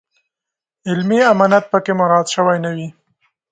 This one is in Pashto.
علمي امانت په کې مراعات شوی نه وي.